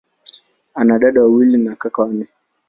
Ana dada wawili na kaka wanne.